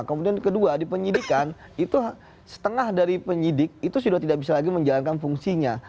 kemudian kedua di penyidikan itu setengah dari penyidik itu sudah tidak bisa lagi menjalankan fungsinya